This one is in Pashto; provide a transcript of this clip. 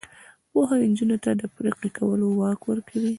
پوهه نجونو ته د پریکړې کولو واک ورکوي.